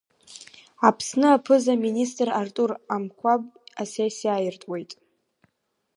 Аԥсны аԥыза-министр Артур Амқәаб асессиа ааиртуеит.